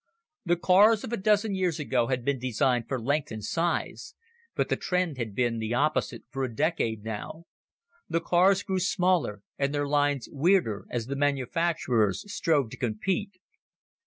The cars of a dozen years ago had been designed for length and size, but the trend had been the opposite for a decade now. The cars grew smaller and their lines weirder as the manufacturers strove to compete.